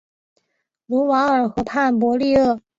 卢瓦尔河畔博利厄。